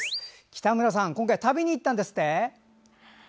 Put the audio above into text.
北村さん、今回は旅に行ったんですって。